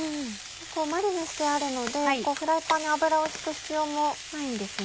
マリネしてあるのでフライパンに油を引く必要もないんですね。